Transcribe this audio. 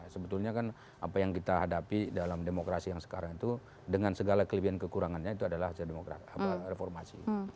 sebetulnya kan apa yang kita hadapi dalam demokrasi yang sekarang itu dengan segala kelebihan kekurangannya itu adalah reformasi